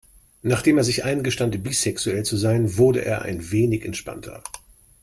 Nachdem er sich eingestand, bisexuell zu sein, wurde er ein wenig entspannter.